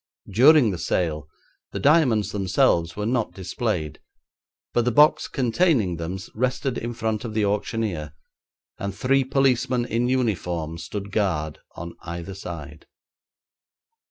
During the sale the diamonds themselves were not displayed, but the box containing them rested in front of the auctioneer and three policemen in uniform stood guard on either side.